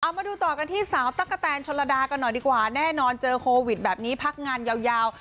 มาดูต่อกันที่สาวตั๊กกะแตนชนระดากันหน่อยดีกว่าแน่นอนเจอโควิดแบบนี้พักงานยาว